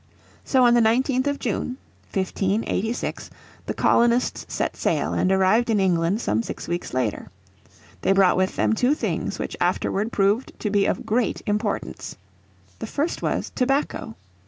So on the 19th of June 1586, the colonists set sail and arrived in England some six weeks later. They brought with them two things which afterward proved to be of wit great importance. The first was tobacco.